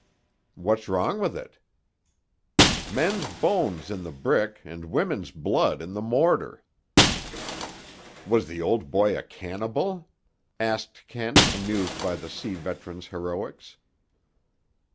"What's wrong with it?" "Men's bones in the brick and women's blood in the mortar." "Was the old boy a cannibal?" asked Kent, amused by the sea veteran's heroics.